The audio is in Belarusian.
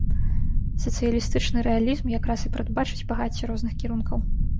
Сацыялістычны рэалізм якраз і прадбачыць багацце розных кірункаў.